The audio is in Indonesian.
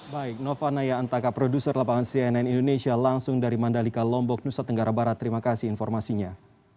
baik nova naya antaka produser lapangan cnn indonesia langsung dari mandalika lombok nusa tenggara barat terima kasih informasinya